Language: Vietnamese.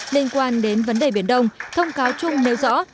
liên quan đến vấn đề biển đông thông cáo chung nêu rõ